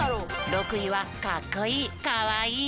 ６いは「かっこいい・かわいい」。